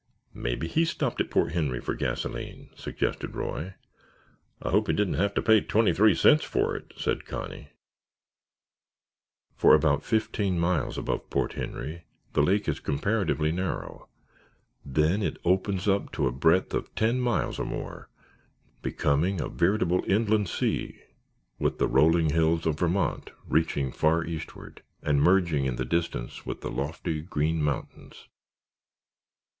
"Maybe he stopped at Port Henry for gasoline," suggested Roy. "I hope he didn't have to pay twenty three cents for it," said Connie. For about fifteen miles above Port Henry the lake is comparatively narrow, then it opens up to a breadth of ten miles or more, becoming a veritable inland sea, with the rolling hills of Vermont reaching far eastward and merging in the distance with the lofty Green Mountains.